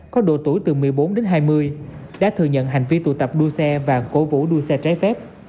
có độ tuổi từ một mươi bốn đến hai mươi đã thừa nhận hành vi tụ tập đua xe và cố vũ đua xe trái phép